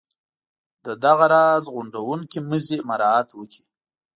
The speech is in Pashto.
د دغه را غونډوونکي مزي مراعات وکړي.